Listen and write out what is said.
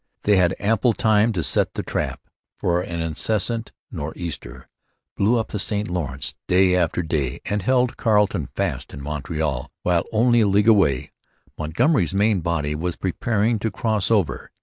They had ample time to set the trap; for an incessant nor' easter blew up the St Lawrence day after day and held Carleton fast in Montreal, while, only a league away, Montgomery's main body was preparing to cross over.